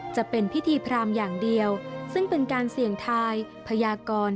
จะเป็นพิธีพรามอย่างเดียวซึ่งเป็นการเสี่ยงทายพญากร